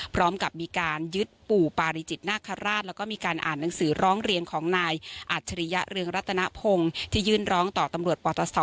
พร้อมกับมีการยึดปู่ปาริจิตนาคาราชแล้วก็มีการอ่านหนังสือร้องเรียนของนายอัจฉริยะเรืองรัตนพงศ์ที่ยื่นร้องต่อตำรวจปตศ